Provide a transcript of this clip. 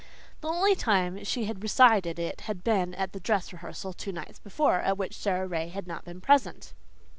The only time she had recited it had been at the "dress rehearsal" two nights before, at which Sara Ray had not been present.